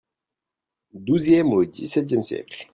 XIIème au XVIIème siècles.